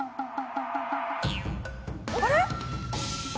あれ！？